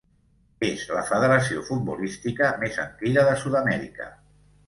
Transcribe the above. És la federació futbolística més antiga de Sud-amèrica.